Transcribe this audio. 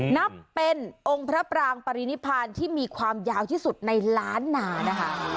นับเป็นองค์พระปรางปรินิพานที่มีความยาวที่สุดในล้านนานะคะ